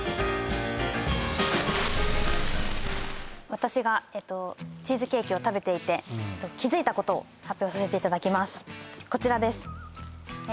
私がえっとチーズケーキを食べていて気づいたことを発表させていただきます